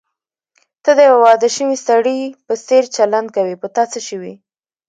ته د یوه واده شوي سړي په څېر چلند کوې، په تا څه شوي؟